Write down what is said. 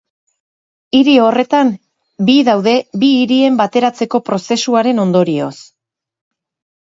Hiri horretan bi daude bi hirien bateratzeko prozesuaren ondorioz.